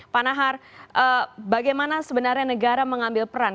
pak nahar bagaimana sebenarnya negara mengambil peran